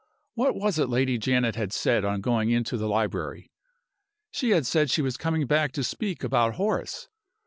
What was it Lady Janet had said on going into the library? She had said she was coming back to speak about Horace.